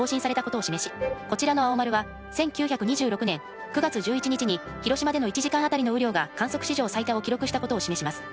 こちらの青丸は１９２６年９月１１日に広島での１時間あたりの雨量が観測史上最多を記録したことを示します。